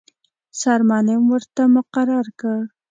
سرمعلم ورته مقرر کړ.